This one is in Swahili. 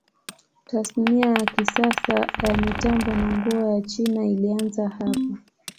Tasnia ya kisasa ya mitambo na nguo ya China ilianza hapa.